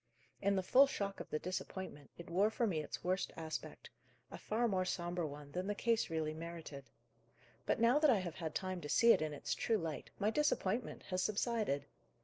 In the full shock of the disappointment, it wore for me its worst aspect; a far more sombre one than the case really merited. But, now that I have had time to see it in its true light, my disappointment has subsided.